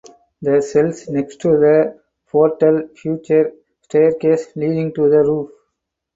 The cells next to the portal feature staircase leading to the roof.